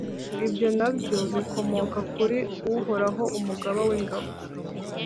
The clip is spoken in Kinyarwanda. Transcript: Ibyo na byo bikomoka kuri Uhoraho, Umugaba w’ingabo,